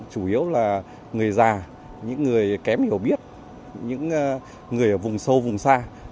chủ yếu là người già những người kém hiểu biết những người ở vùng sâu vùng xa